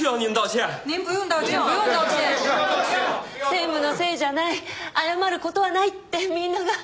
専務のせいじゃない謝る事はないってみんなが。